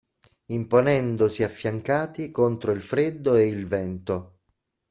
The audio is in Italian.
Imponendosi affiancati contro il freddo e il vento.